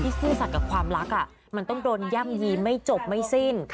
ซื่อสัตว์กับความรักมันต้องโดนย่ำยีไม่จบไม่สิ้น